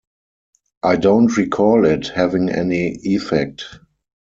I don't recall it having any effect.